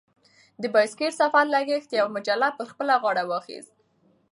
د بایسکل سفر لګښت یوه مجله پر خپله غاړه واخیست.